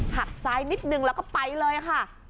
หักซ้ายนิดนึงแล้วก็ไปเลยค่ะ